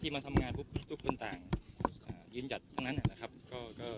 ที่มาทำงานปุ๊บทุกคนต่างอ่ายืนจัดตั้งนั้นนะครับก็ก็